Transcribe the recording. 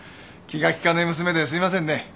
気が利かない娘ですいませんね。